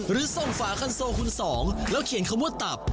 หรือส่งฝาคันโซคุณสองแล้วเขียนคำว่าตับ